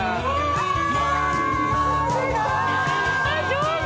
上手！